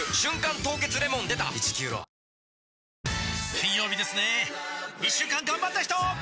金曜日ですね一週間がんばった人！